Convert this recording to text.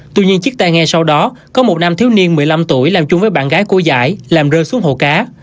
tuy nhiên chiếc tai nghe sau đó có một nam thiếu niên một mươi năm tuổi làm chung với bạn gái cô giải làm rơi xuống hồ cá